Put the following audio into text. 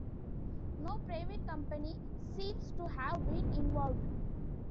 No private company seems to have been involved.